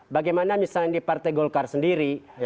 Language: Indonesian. bagaimana misalnya di partai golkar sendiri